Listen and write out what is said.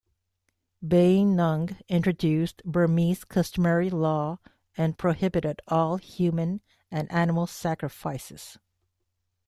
Bayinnaung introduced Burmese customary law and prohibited all human and animal sacrifices.